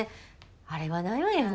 あれはないわよね。